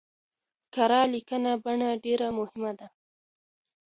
کره ليکنۍ بڼه ډېره مهمه ده.